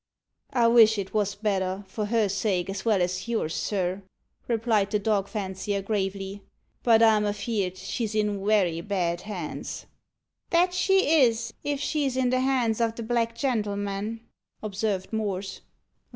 "I wish it wos better, for her sake as well as yours, sir," replied the dog fancier gravely; "but I'm afeerd she's in werry bad hands." "That she is, if she's in the hands o' the black gentleman," observed Morse.